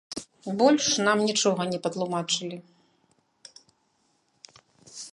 Больш нам нічога не патлумачылі.